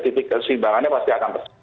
titik kesimbangannya pasti akan besar